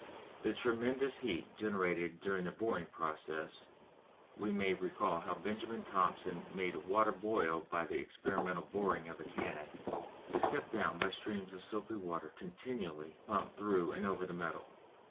The tremendous heat generated during the boring processes we may recall how Benjamin Thompson made water boil by the experimental boring of a cannon is kept down by streams of soapy water continually pumped through and over the metal.